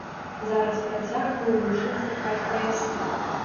Зараз працягваю вучыцца ткаць паясы.